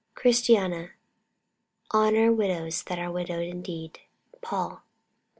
CHRISTIANA "Honour widows that are widows indeed." Paul.